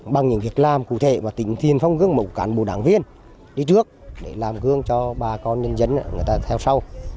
bằng những việc làm cụ thể và tính thiên phong gương mẫu cản bộ đảng viên đi trước để làm gương cho bà con nhân dân người ta theo sau